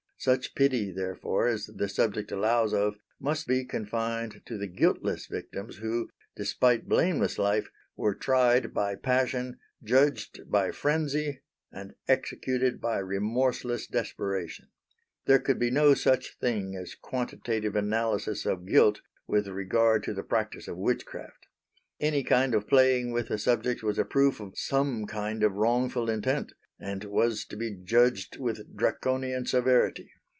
Such pity, therefore, as the subject allows of must be confined to the guiltless victims who, despite blameless life, were tried by passion, judged by frenzy, and executed by remorseless desperation. There could be no such thing as quantitative analysis of guilt with regard to the practice of witchcraft: any kind of playing with the subject was a proof of some kind of wrongful intent, and was to be judged with Draconian severity.